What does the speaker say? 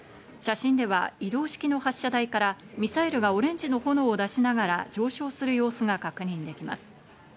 写真では移動式の発射台からミサイルがオレンジの炎を出しながら上昇する様子が確認できます。